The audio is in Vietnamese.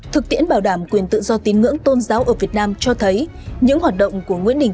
thực tiễn bảo đảm quyền tự do tín ngưỡng tôn giáo ở việt nam cho thấy những hoạt động của nguyễn đình